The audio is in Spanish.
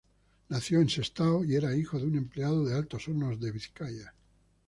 Nació en Sestao y era hijo de un empleado de Altos Hornos de Vizcaya.